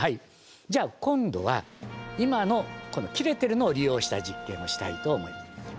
じゃあ今度は今のこの切れてるのを利用した実験をしたいと思います。